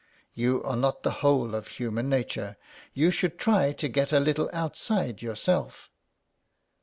You are not the whole of human nature ; you should try to get a little outside yourself."